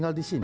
toh di sini